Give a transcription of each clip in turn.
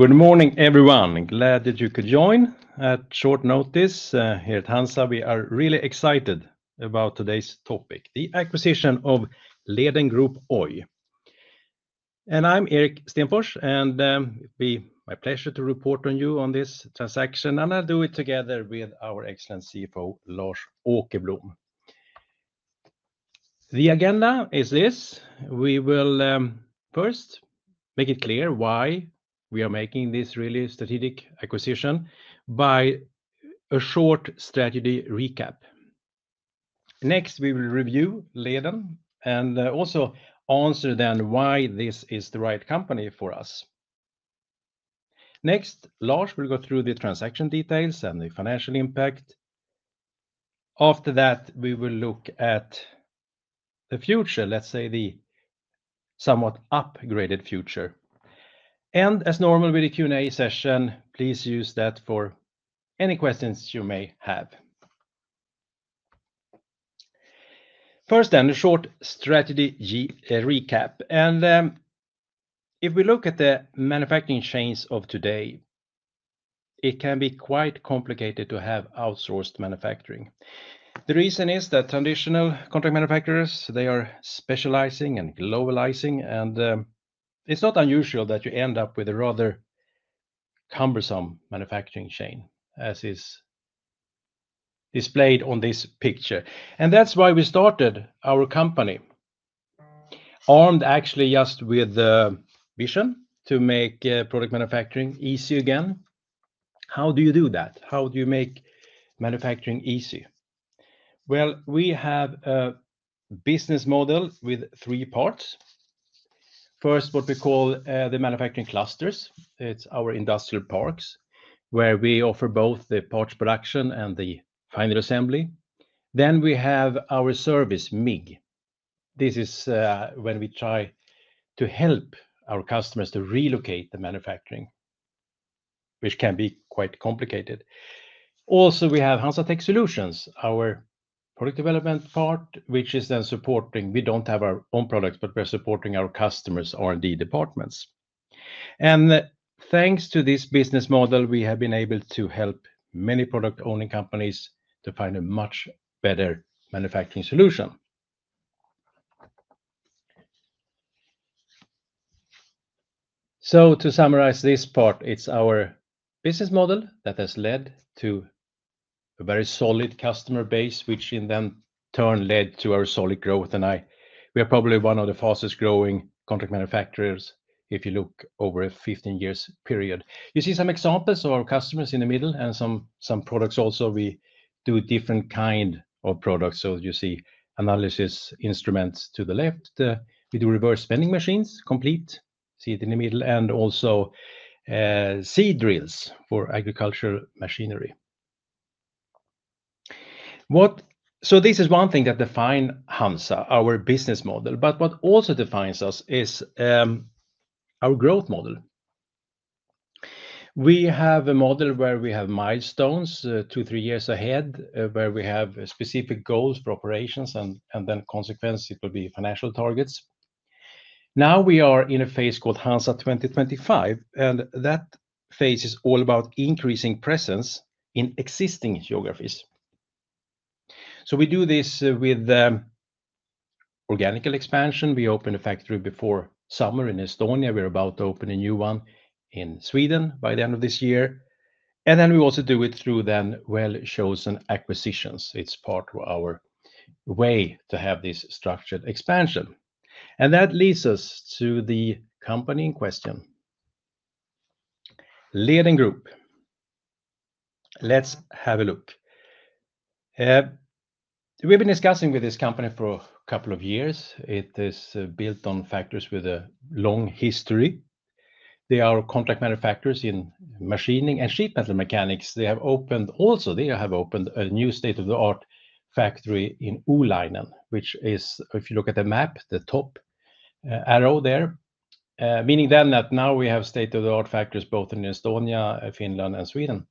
Good morning, everyone. Glad that you could join. At short notice, here at HANZA, we are really excited about today's topic: the acquisition of Leden Group Oy, and I'm Erik Stenfors, and it'll be my pleasure to report on you on this transaction, and I'll do it together with our excellent CFO, Lars Åkerblom. The agenda is this: we will first make it clear why we are making this really strategic acquisition by a short strategy recap. Next, we will review Leden and also answer then why this is the right company for us. Next, Lars will go through the transaction details and the financial impact. After that, we will look at the future, let's say the somewhat upgraded future, and as normal with the Q&A session, please use that for any questions you may have. First then, a short strategy recap. If we look at the manufacturing chains of today, it can be quite complicated to have outsourced manufacturing. The reason is that traditional contract manufacturers, they are specializing and globalizing, and it's not unusual that you end up with a rather cumbersome manufacturing chain, as is displayed on this picture. That's why we started our company, armed actually just with the vision to make product manufacturing easy again. How do you do that? How do you make manufacturing easy? We have a business model with three parts. First, what we call the manufacturing clusters. It's our industrial parks, where we offer both the parts production and the final assembly. Then we have our service MIG. This is when we try to help our customers to relocate the manufacturing, which can be quite complicated. Also, we have HANZA Tech Solutions, our product development part, which is then supporting. We don't have our own products, but we're supporting our customers' R&D departments, and thanks to this business model, we have been able to help many product-owning companies to find a much better manufacturing solution, so to summarize this part, it's our business model that has led to a very solid customer base, which in turn led to our solid growth. We are probably one of the fastest-growing contract manufacturers if you look over a 15-year period. You see some examples of our customers in the middle and some products also. We do different kinds of products, so you see analysis instruments to the left. We do reverse vending machines, complete, see it in the middle, and also seed drills for agricultural machinery, so this is one thing that defines HANZA, our business model. But what also defines us is our growth model. We have a model where we have milestones two, three years ahead, where we have specific goals for operations, and then consequently, it will be financial targets. Now we are in a phase called HANZA 2025, and that phase is all about increasing presence in existing geographies. So we do this with organic expansion. We open a factory before summer in Estonia. We're about to open a new one in Sweden by the end of this year. And then we also do it through then well-chosen acquisitions. It's part of our way to have this structured expansion. And that leads us to the company in question, Leden Group. Let's have a look. We've been discussing with this company for a couple of years. It is built on factories with a long history. They are contract manufacturers in machining and sheet metal mechanics. They have opened a new state-of-the-art factory in Oulainen, which is, if you look at the map, the top arrow there, meaning then that now we have state-of-the-art factories both in Estonia, Finland, and Sweden.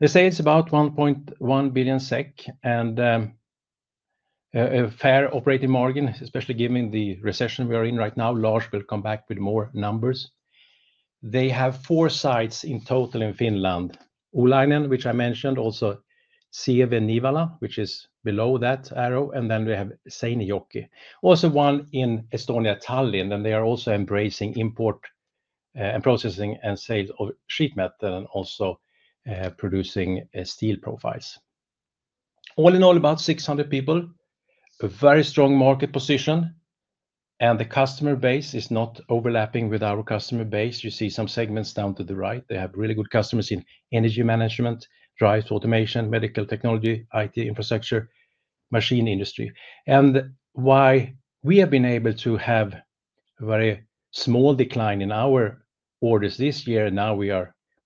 The sales are about 1.1 billion SEK and a fair operating margin, especially given the recession we are in right now. Lars will come back with more numbers. They have four sites in total in Finland: Oulainen, which I mentioned, also Sievi, Nivala, which is below that arrow, and then we have Seinäjoki, also one in Estonia, Tallinn. And they are also embracing import and processing and sales of sheet metal and also producing steel profiles. All in all, about 600 people, a very strong market position, and the customer base is not overlapping with our customer base. You see some segments down to the right. They have really good customers in energy management, drive automation, medical technology, IT infrastructure, machine industry. And why we have been able to have a very small decline in our orders this year, and now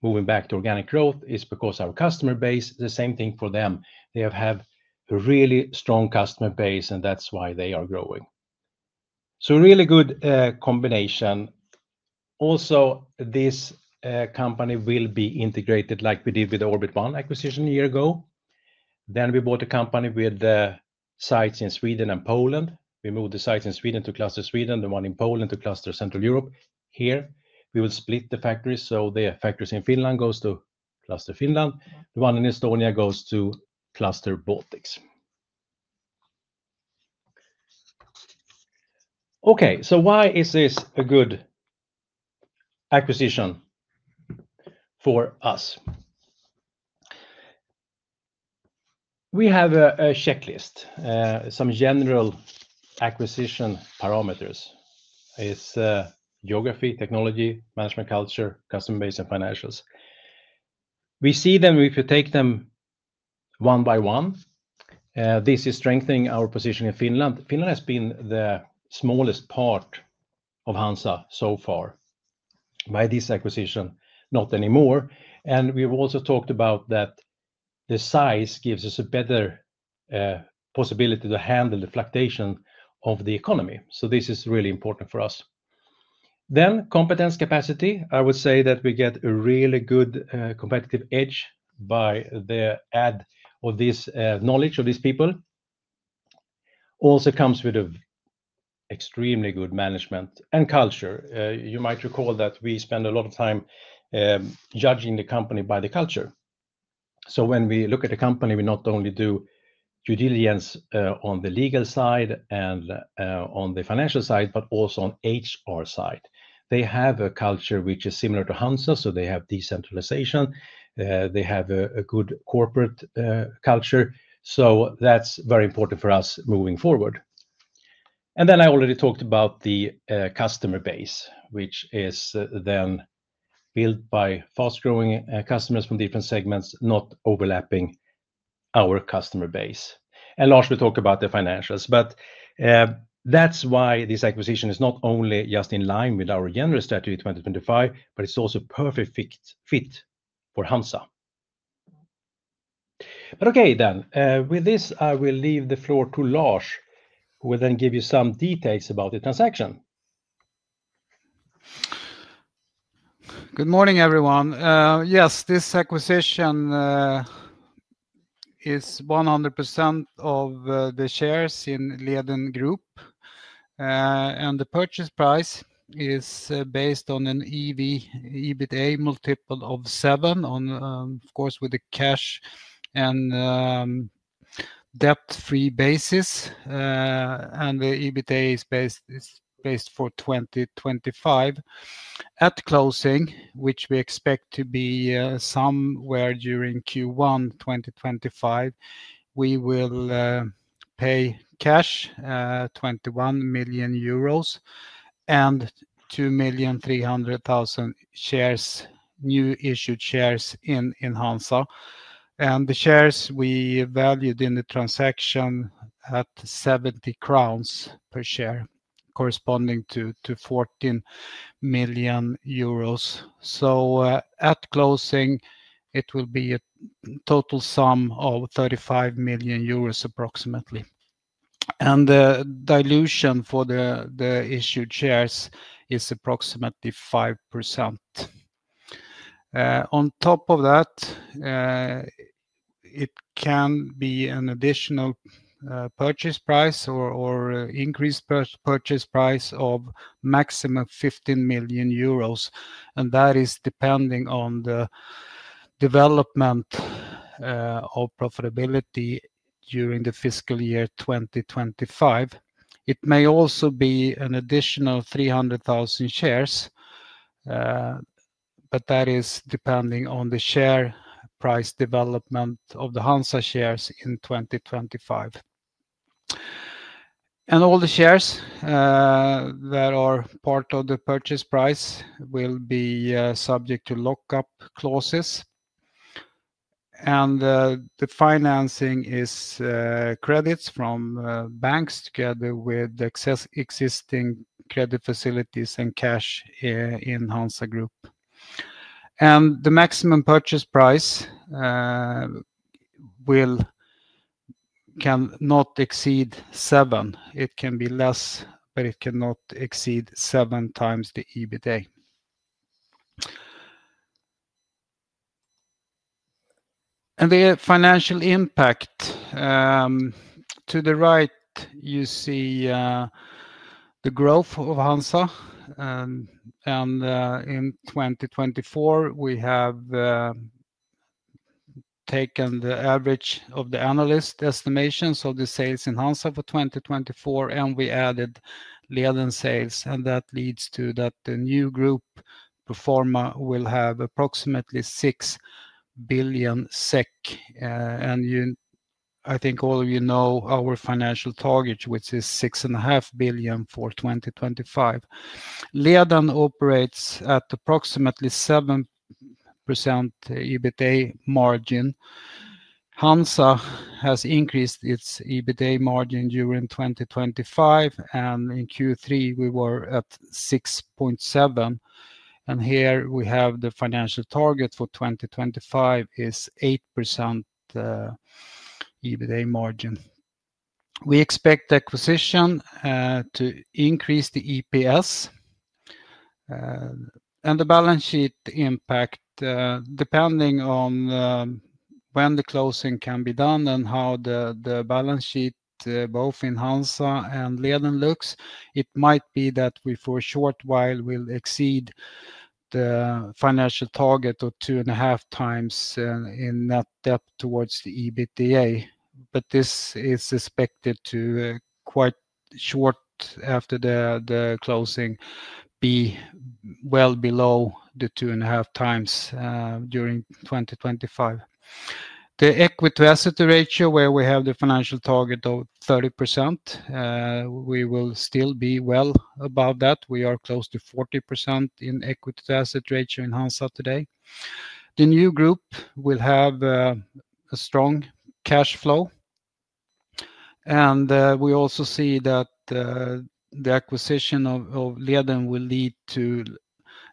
we are moving back to organic growth, is because our customer base, the same thing for them. They have a really strong customer base, and that's why they are growing. So really good combination. Also, this company will be integrated like we did with the Orbit One acquisition a year ago. Then we bought a company with sites in Sweden and Poland. We moved the sites in Sweden to Cluster Sweden, the one in Poland to Cluster Central Europe. Here, we will split the factories. So the factories in Finland go to Cluster Finland. The one in Estonia goes to Cluster Baltics. Okay, so why is this a good acquisition for us? We have a checklist, some general acquisition parameters: geography, technology, management culture, customer base, and financials. We see them, we could take them one by one. This is strengthening our position in Finland. Finland has been the smallest part of HANZA so far by this acquisition, not anymore, and we've also talked about that the size gives us a better possibility to handle the fluctuation of the economy, so this is really important for us, then competence capacity. I would say that we get a really good competitive edge by the add of this knowledge of these people, also comes with an extremely good management and culture. You might recall that we spend a lot of time judging the company by the culture. So when we look at a company, we not only do due diligence on the legal side and on the financial side, but also on the HR side. They have a culture which is similar to HANZA, so they have decentralization. They have a good corporate culture. So that's very important for us moving forward. And then I already talked about the customer base, which is then built by fast-growing customers from different segments, not overlapping our customer base. And Lars will talk about the financials, but that's why this acquisition is not only just in line with our general strategy 2025, but it's also a perfect fit for HANZA. But okay, then, with this, I will leave the floor to Lars, who will then give you some details about the transaction. Good morning, everyone. Yes, this acquisition is 100% of the shares in Leden Group, and the purchase price is based on an EBITA multiple of seven, of course, with a cash and debt-free basis, and the EBITA is based for 2025. At closing, which we expect to be somewhere during Q1 2025, we will pay cash, EUR 21 million, and 2,300,000 shares, new issued shares in HANZA, and the shares we valued in the transaction at 70 crowns per share, corresponding to 14 million euros, so at closing, it will be a total sum of 35 million euros approximately, and the dilution for the issued shares is approximately 5%. On top of that, it can be an additional purchase price or increased purchase price of maximum 15 million euros, and that is depending on the development of profitability during the fiscal year 2025. It may also be an additional 300,000 shares, but that is depending on the share price development of the HANZA shares in 2025. And all the shares that are part of the purchase price will be subject to lock-up clauses. And the financing is credits from banks together with existing credit facilities and cash in HANZA Group. And the maximum purchase price can not exceed seven. It can be less, but it cannot exceed seven times the EBITA. And the financial impact, to the right, you see the growth of HANZA. And in 2024, we have taken the average of the analyst estimations of the sales in HANZA for 2024, and we added Leden sales. And that leads to that the new group pro forma will have approximately 6 billion SEK. And I think all of you know our financial target, which is 6.5 billion for 2025. Leden operates at approximately 7% EBITA margin. HANZA has increased its EBITA margin during 2025, and in Q3, we were at 6.7. Here we have the financial target for 2025 is 8% EBITA margin. We expect acquisition to increase the EPS. The balance sheet impact, depending on when the closing can be done and how the balance sheet both in HANZA and Leden looks, it might be that we for a short while will exceed the financial target of two and a half times in net debt towards the EBITA. This is expected to quite short after the closing be well below the two and a half times during 2025. The equity-to-asset ratio, where we have the financial target of 30%, we will still be well above that. We are close to 40% in equity-to-asset ratio in HANZA today. The new group will have a strong cash flow, and we also see that the acquisition of Leden will lead to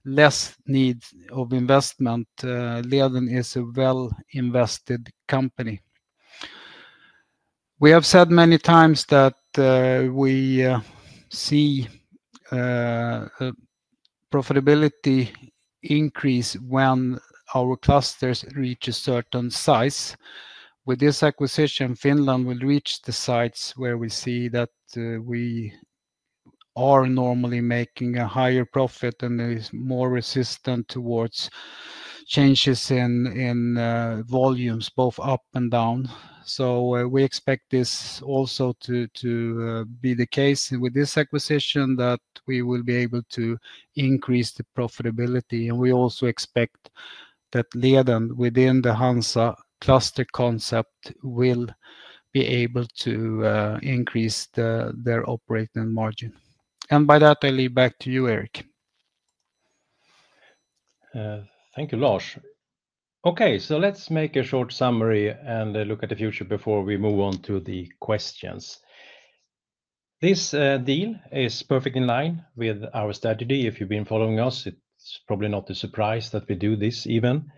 less need of investment. Leden is a well-invested company. We have said many times that we see profitability increase when our clusters reach a certain size. With this acquisition, Finland will reach the size where we see that we are normally making a higher profit and are more resistant towards changes in volumes, both up and down, so we expect this also to be the case with this acquisition, that we will be able to increase the profitability, and we also expect that Leden within the HANZA cluster concept will be able to increase their operating margin, and by that, I leave back to you, Erik. Thank you, Lars. Okay, so let's make a short summary and look at the future before we move on to the questions. This deal is perfectly in line with our strategy. If you've been following us, it's probably not a surprise that we do this even.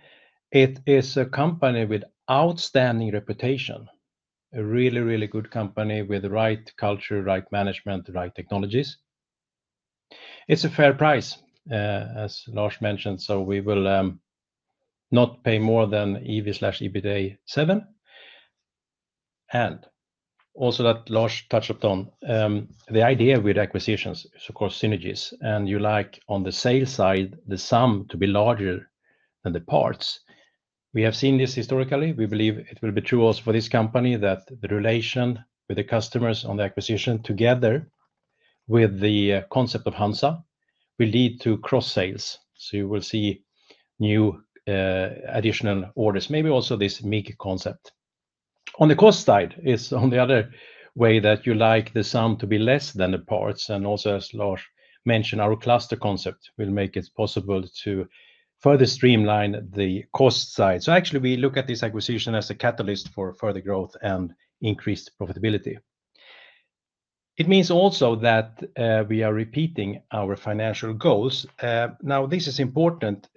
It is a company with an outstanding reputation, a really, really good company with the right culture, right management, right technologies. It's a fair price, as Lars mentioned, so we will not pay more than EV/EBITA seven. And, also, that Lars touched upon, the idea with acquisitions is, of course, synergies. And, you like, on the sales side, the sum to be larger than the parts. We have seen this historically. We believe it will be true also for this company that the relation with the customers on the acquisition together with the concept of HANZA will lead to cross-sales. You will see new additional orders, maybe also this MIG concept. On the cost side, it's on the other way that you like the sum to be less than the parts. And also, as Lars mentioned, our cluster concept will make it possible to further streamline the cost side. So actually, we look at this acquisition as a catalyst for further growth and increased profitability. It means also that we are repeating our financial goals. Now, this is important.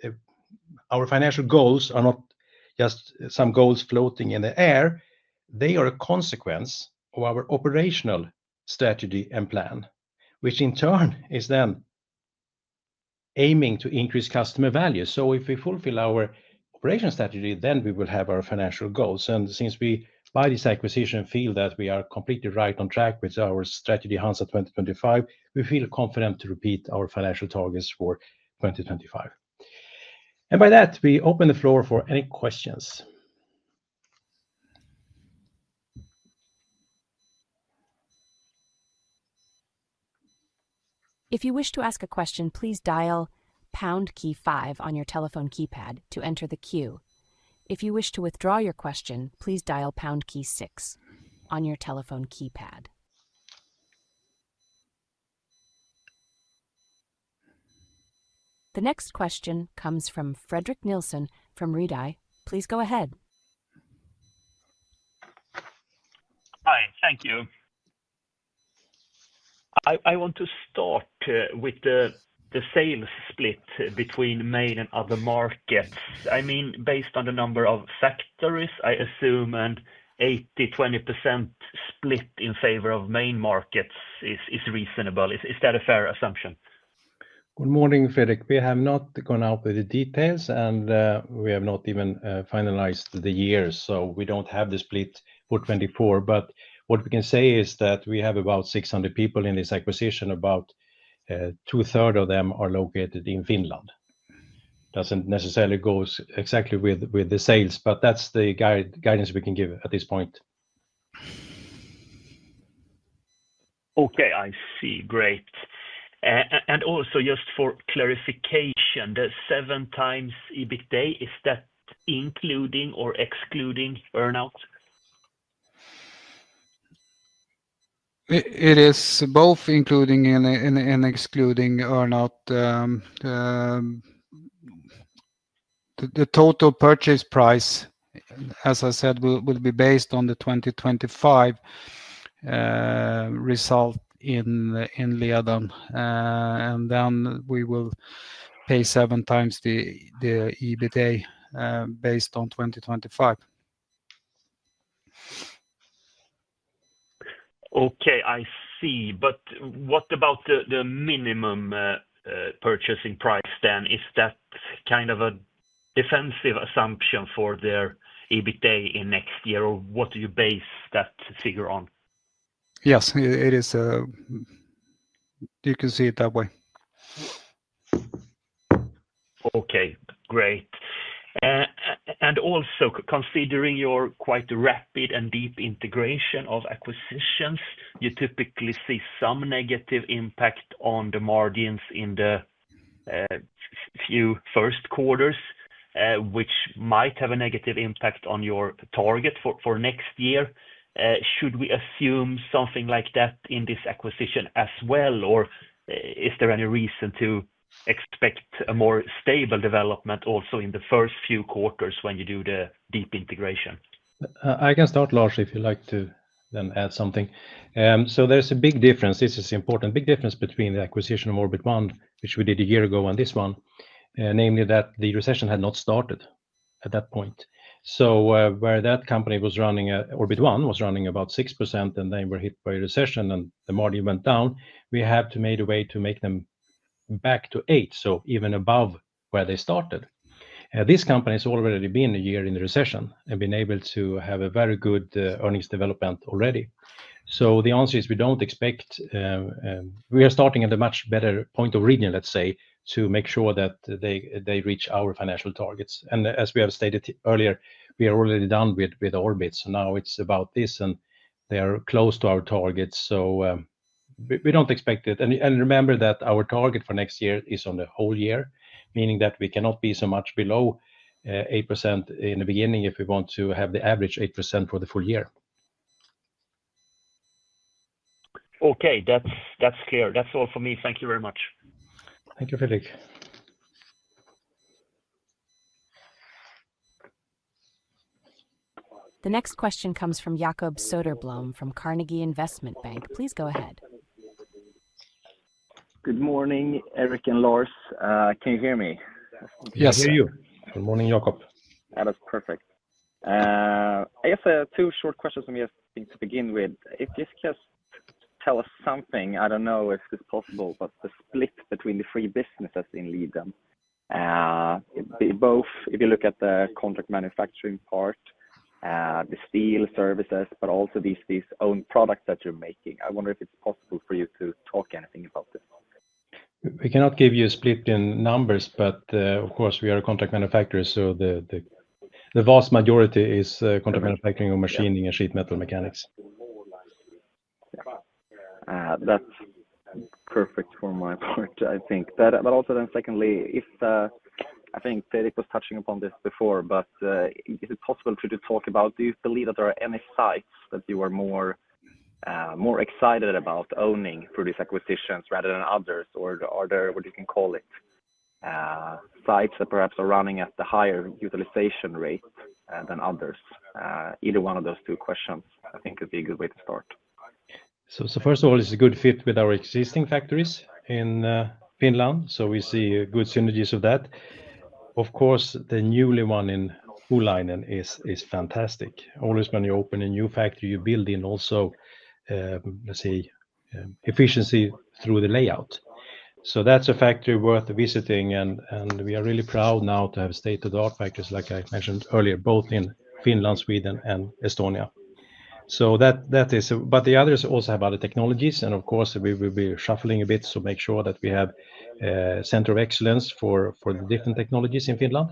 Our financial goals are not just some goals floating in the air. They are a consequence of our operational strategy and plan, which in turn is then aiming to increase customer value. So if we fulfill our operation strategy, then we will have our financial goals. Since we by this acquisition feel that we are completely right on track with our strategy HANZA 2025, we feel confident to repeat our financial targets for 2025. By that, we open the floor for any questions. If you wish to ask a question, please dial pound key five on your telephone keypad to enter the queue. If you wish to withdraw your question, please dial pound key six on your telephone keypad. The next question comes from Fredrik Nilsson from Redeye. Please go ahead. Hi, thank you. I want to start with the sales split between main and other markets. I mean, based on the number of factories, I assume an 80%-20% split in favor of main markets is reasonable. Is that a fair assumption? Good morning, Fredrik. We have not gone out with the details, and we have not even finalized the year, so we don't have the split for 2024. But what we can say is that we have about 600 people in this acquisition. About two-thirds of them are located in Finland. Doesn't necessarily go exactly with the sales, but that's the guidance we can give at this point. Okay, I see. Great. And also just for clarification, the seven times EBITA, is that including or excluding earnouts? It is both including and excluding earnout. The total purchase price, as I said, will be based on the 2025 result in Leden. And then we will pay seven times the EBITDA based on 2025. Okay, I see. But what about the minimum purchasing price then? Is that kind of a defensive assumption for their EBITA in next year, or what do you base that figure on? Yes, it is. You can see it that way. Okay, great. Also, considering your quite rapid and deep integration of acquisitions, you typically see some negative impact on the margins in the first few quarters, which might have a negative impact on your target for next year. Should we assume something like that in this acquisition as well, or is there any reason to expect a more stable development also in the first few quarters when you do the deep integration? I can start, Lars, if you'd like to then add something. There's a big difference. This is an important big difference between the acquisition of Orbit One, which we did a year ago, and this one, namely that the recession had not started at that point. Where that company was running, Orbit One was running about 6%, and they were hit by a recession, and the margin went down. We have found a way to get them back to 8%, so even above where they started. This company has already been a year in the recession and been able to have a very good earnings development already. The answer is we don't expect. We are starting at a much better point of departure, let's say, to make sure that they reach our financial targets, and as we have stated earlier, we are already done with Orbit. So now it's about this, and they are close to our targets. So we don't expect it. And remember that our target for next year is on the whole year, meaning that we cannot be so much below 8% in the beginning if we want to have the average 8% for the full year. Okay, that's clear. That's all for me. Thank you very much. Thank you, Fredrik. The next question comes from Jakob Söderblom from Carnegie Investment Bank. Please go ahead. Good morning, Erik and Lars. Can you hear me? Yes, we hear you. Good morning, Jakob. That is perfect. I guess two short questions for me to begin with. If you could just tell us something, I don't know if it's possible, but the split between the three businesses in Leden, both if you look at the contract manufacturing part, the steel services, but also these own products that you're making. I wonder if it's possible for you to talk anything about this. We cannot give you a split in numbers, but of course, we are a contract manufacturer, so the vast majority is contract manufacturing of machining and sheet metal mechanics. That's perfect for my part, I think. But also then secondly, I think Fredrik was touching upon this before, but is it possible to talk about, do you believe that there are any sites that you are more excited about owning through these acquisitions rather than others, or are there what you can call it sites that perhaps are running at the higher utilization rate than others? Either one of those two questions, I think, could be a good way to start. First of all, it's a good fit with our existing factories in Finland. So we see good synergies of that. Of course, the new one in Oulainen is fantastic. Always when you open a new factory, you build in also, let's say, efficiency through the layout. So that's a factory worth visiting, and we are really proud now to have state-of-the-art factories, like I mentioned earlier, both in Finland, Sweden, and Estonia. So that is, but the others also have other technologies, and of course, we will be shuffling a bit to make sure that we have a center of excellence for the different technologies in Finland.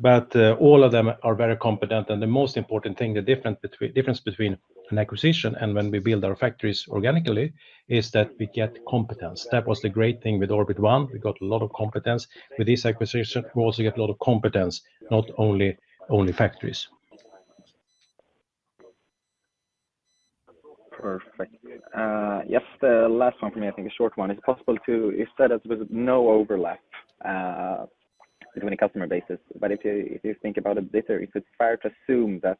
But all of them are very competent. And the most important thing, the difference between an acquisition and when we build our factories organically is that we get competence. That was the great thing with Orbit One. We got a lot of competence with this acquisition. We also get a lot of competence, not only factories. Perfect. Yes, the last one for me, I think a short one. Is it possible to, you said there's no overlap between the customer base, but if you think about it, is it fair to assume that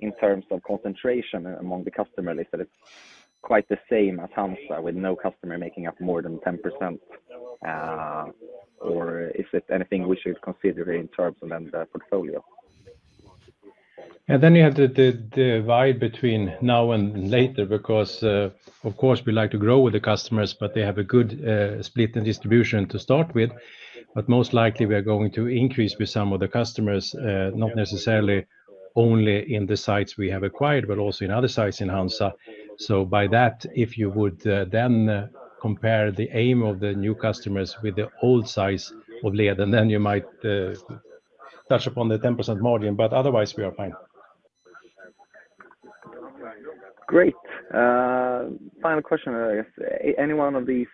in terms of concentration among the customers, is that it's quite the same as HANZA with no customer making up more than 10%? Or is it anything we should consider in terms of then the portfolio? And then you have the divide between now and later, because of course, we like to grow with the customers, but they have a good split and distribution to start with. But most likely, we are going to increase with some of the customers, not necessarily only in the sites we have acquired, but also in other sites in HANZA. So by that, if you would then compare the aim of the new customers with the old size of Leden, then you might touch upon the 10% margin, but otherwise, we are fine. Great. Final question, I guess. Any one of these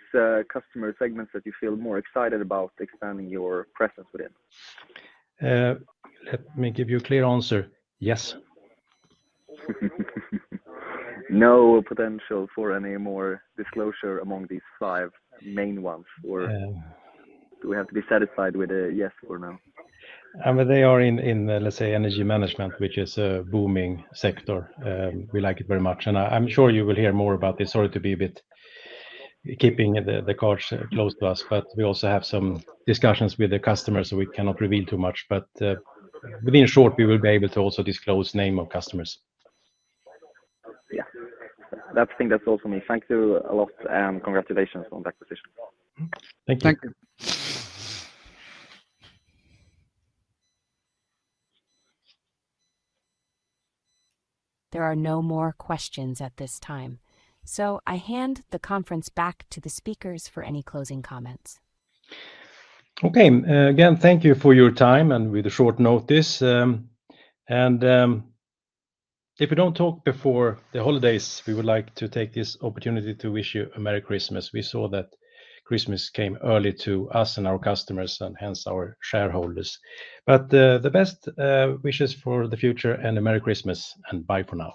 customer segments that you feel more excited about expanding your presence within? Let me give you a clear answer. Yes. No potential for any more disclosure among these five main ones, or do we have to be satisfied with a yes for now? They are in, let's say, energy management, which is a booming sector. We like it very much. And I'm sure you will hear more about this. Sorry to be a bit keeping the cards close to us, but we also have some discussions with the customers, so we cannot reveal too much. But within short, we will be able to also disclose the name of customers. Yeah. That's the thing. That's also me. Thank you a lot, and congratulations on the acquisition. Thank you. There are no more questions at this time. So I hand the conference back to the speakers for any closing comments. Okay. Again, thank you for your time and with a short notice. And if we don't talk before the holidays, we would like to take this opportunity to wish you a Merry Christmas. We saw that Christmas came early to us and our customers and hence our shareholders. But the best wishes for the future and a Merry Christmas, and bye for now.